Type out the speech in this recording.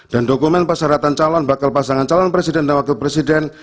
dan dokumen persyaratan calon bakal pasangan calon presiden dan wakil presiden